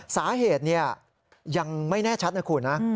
สาเหตุยังไม่แน่ชัดนะคุณนะ